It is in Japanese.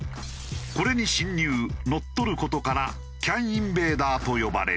これに侵入乗っ取る事からＣＡＮインベーダーと呼ばれる。